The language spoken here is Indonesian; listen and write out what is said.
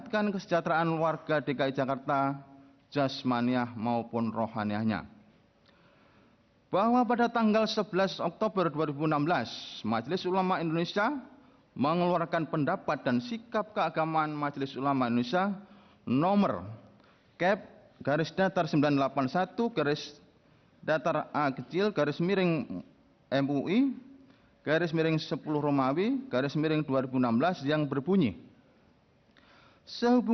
kepulauan seribu kepulauan seribu